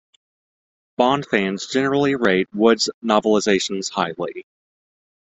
Bond fans generally rate Wood's novelisations highly.